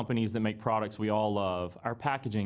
pembelian makanan dan makanan makanan